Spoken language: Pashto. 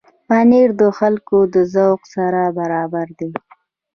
پنېر د خلکو د ذوق سره برابر دی.